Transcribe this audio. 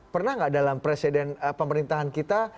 pernah nggak dalam presiden pemerintahan kita